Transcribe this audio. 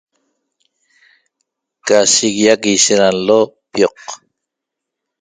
Ca shiguiac ishet da nlo pioq